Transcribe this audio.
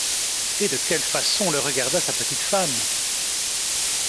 Et de quelle façon le regarda sa petite femme!